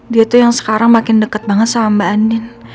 dia tuh yang sekarang makin dekat banget sama mbak andin